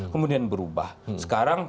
kemudian berubah sekarang